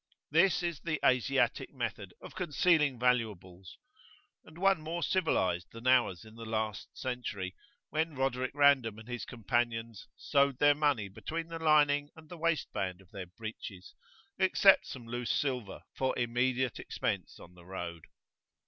This is the Asiatic method of concealing valuables, and one more civilised than ours in the last century, when Roderic Random and his companion "sewed their money between the lining and the waist band of their breeches, except some loose silver for immediate [p.26]expense on the road."